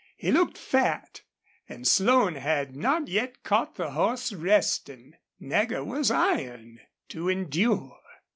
He looked fat, and Slone had not yet caught the horse resting. Nagger was iron to endure.